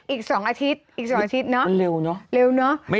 อีก๒อาทิตย์อีก๒อาทิตย์เนอะ